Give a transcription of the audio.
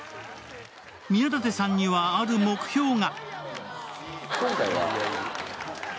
宮舘さんには、ある目標が。